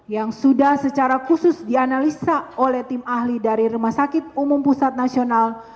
yang sudah secara khusus dianalisa oleh tim ahli dari rumah sakit umum pusat nasional